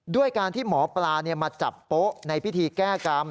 ด้วยการที่หมอปลามาจับโป๊ะในพิธีแก้กรรม